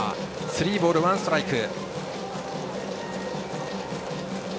スリーボール、ワンストライク。